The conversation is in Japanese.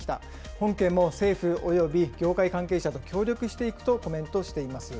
本件も政府および業界関係者と協力していくとコメントしています。